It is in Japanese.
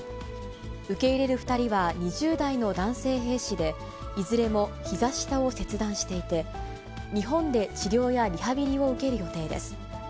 受け入れる２人は２０代の男性兵士で、いずれもひざ下を切断していて、日本で治療やリハビリを受ける予定です。